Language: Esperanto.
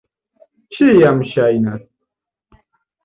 Ĉiam ŝajnas.